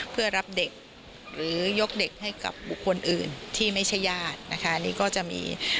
เพื่อรับเด็กหรือยกเด็กให้กับคนอื่นที่ไม่ใช่ญาติ